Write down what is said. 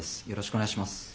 よろしくお願いします。